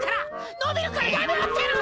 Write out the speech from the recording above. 伸びるからやめろってぇの！